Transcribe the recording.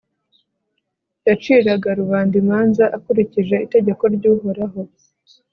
yaciraga rubanda imanza akurikije itegeko ry'uhoraho